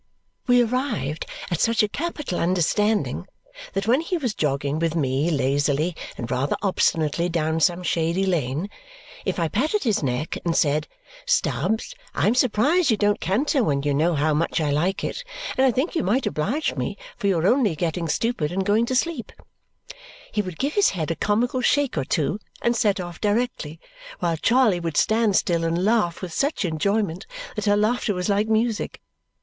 We arrived at such a capital understanding that when he was jogging with me lazily, and rather obstinately, down some shady lane, if I patted his neck and said, "Stubbs, I am surprised you don't canter when you know how much I like it; and I think you might oblige me, for you are only getting stupid and going to sleep," he would give his head a comical shake or two and set off directly, while Charley would stand still and laugh with such enjoyment that her laughter was like music.